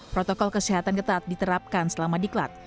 protokol kesehatan getat diterapkan selama di klat